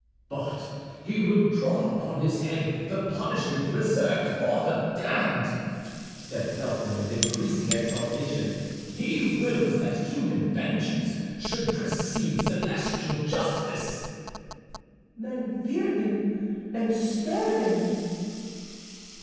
"But he will draw upon his head the punishment reserved for the damned!" said Felton, with increasing exultation. "He wills that human vengeance should precede celestial justice." "Men fear him and spare him."